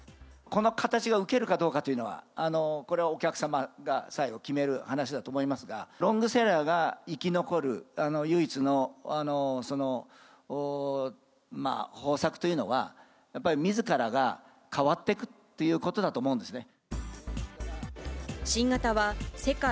この形が受けるかどうかというのは、これはお客様が最後、決める話だと思いますが、ロングセラーが生き残る唯一の方策というのは、やっぱりみずからが変わっていくということだと思うんですね。